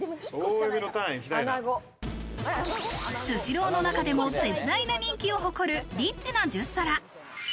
スシローの中でも絶大な人気を誇るリッチな１０皿。